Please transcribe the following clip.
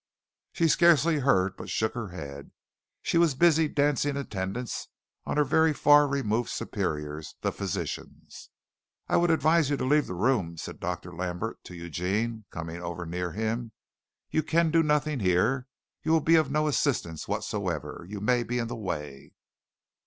She scarcely heard, but shook her head. She was busy dancing attendance on her very far removed superiors, the physicians. "I would advise you to leave the room," said Dr. Lambert to Eugene, coming over near him. "You can do nothing here. You will be of no assistance whatsoever. You may be in the way."